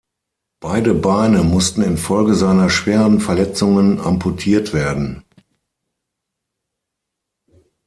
Beide Beine mussten infolge seiner schweren Verletzungen amputiert werden.